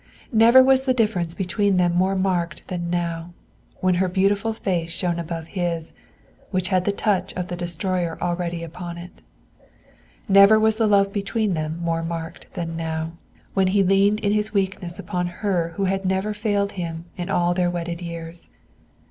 Never was the difference between them more marked than now, when her beautiful face shone above his, which had the touch of the destroyer already upon it; never was the love between them more marked than now, when he leaned in his weakness upon her who had never failed him in all their wedded years.